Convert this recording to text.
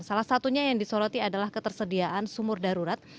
salah satunya yang disoroti adalah ketersediaan sumur darurat